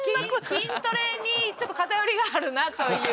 筋トレにちょっと偏りがあるなという。